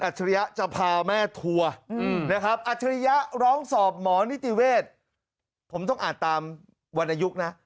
อัจชริยะจะพาแม่ทัวร์อัจชริยะร้องสอบหมอนิจเวทผมต้องอาจตามวรยุคนะ